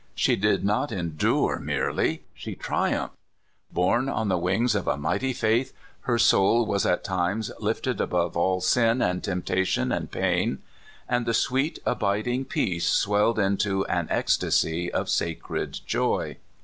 She did not endure merely, she triumphed. Borne on the wings of a mighty faith, her soul was at times lifted above all sin, and temptation, and pain, and the sweet, abiding peace swelled into an ec stasy of sacred joy.